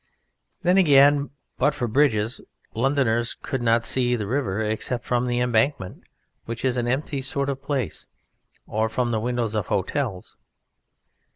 Then again, but for bridges Londoners could not see the river except from the Embankment, which is an empty sort of place, or from the windows of hotels.